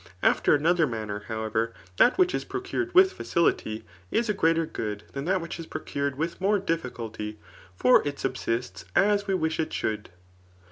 After another manner, luiwevm', that which is procured with facility [is a greater HoodJ than that which is procured witib nvore difficulty^ ibr it subsists as we wish it should.